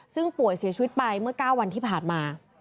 ซึ่งป่วยเสียชีวิตไปเมื่อ๙วันที่ผ่านมา